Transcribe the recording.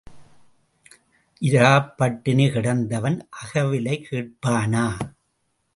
இராப் பட்டினி கிடந்தவன் அகவிலை கேட்பானா?